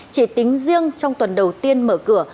chỉ tính riêng trong tuần đầu tiên mở cửa